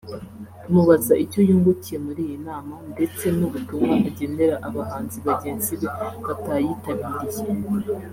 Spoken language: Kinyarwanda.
tumubaza icyo yungukiye muri iyi nama ndetse n’ubutumwa agenera abahanzi bagenzi be batayitabiriye